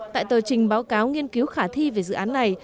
tại tờ trình báo cáo nghiên cứu khả thi về dự án này